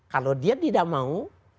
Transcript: kalau dia tidak mau